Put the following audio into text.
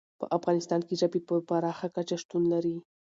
په افغانستان کې ژبې په پراخه کچه شتون لري.